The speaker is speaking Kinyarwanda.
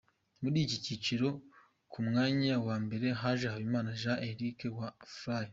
Muri iki cyiciro ku mwanya wa mbere haje Habimana Jean Eric wa Fly.